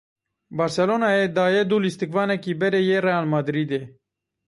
Barcelonayê daye dû lîstikvanekî berê yê Real Madridê.